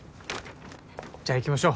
じゃあ行きましょう。